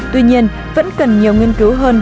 tuy nhiên vẫn cần nhiều nghiên cứu hơn